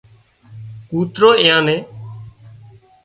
ڪوترو ايئان نين